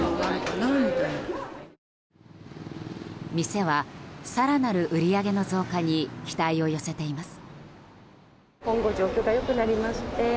店は、更なる売り上げの増加に期待を寄せています。